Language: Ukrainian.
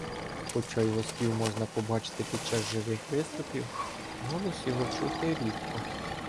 Хоча його спів можна побачити під час живих виступів, голос його чути рідко.